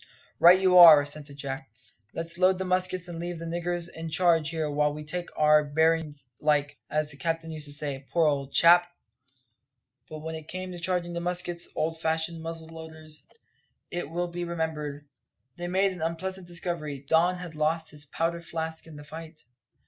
"Right you are," assented Jack. "Let's load the muskets and leave the niggers in charge here while we take our bearin's like, as the captain used to say, poor old chap!" But when it came to charging the muskets old fashioned muzzle loaders, it will be remembered they made an unpleasant discovery. Don had lost his powder flask in the fight.